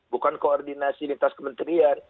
bukan koordinasi lintas kementerian